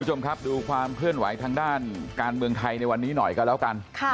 คุณผู้ชมครับดูความเคลื่อนไหวทางด้านการเมืองไทยในวันนี้หน่อยก็แล้วกัน